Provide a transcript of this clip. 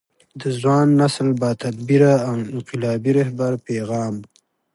د ځوان نسل با تدبیره او انقلابي رهبر پیغام